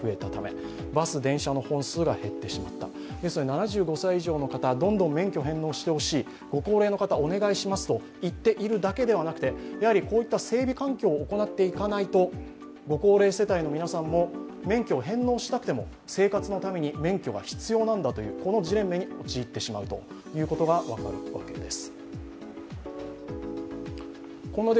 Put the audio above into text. ７５歳以上の方、どんどん免許返納してほしいご高齢の方、お願いしますと言っているだけでなくてこういった整備環境を行っていかないとご高齢世帯の皆さんも免許を返納したくても、生活のために、免許が必要なんだとこのジレンマに陥ってしまうことが分かるわけです。